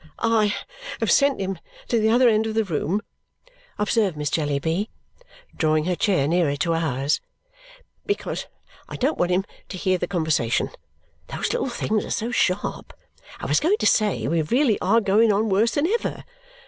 "I have sent him to the other end of the room," observed Miss Jellyby, drawing her chair nearer ours, "because I don't want him to hear the conversation. Those little things are so sharp! I was going to say, we really are going on worse than ever.